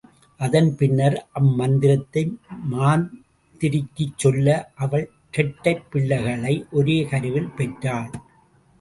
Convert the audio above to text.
அதன் பின்னர் அம்மந்திரத்தை மாத்திரிக்குச் சொல்ல அவள் இரட்டைப் பிள்ளைகளை ஒரேகருவில் பெற்றாள்.